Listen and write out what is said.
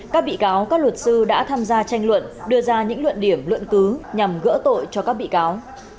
các bị cáo các luật sư đã tham gia tranh luận đưa ra những luận điểm luận cứ nhằm gỡ tội cho các bị cáo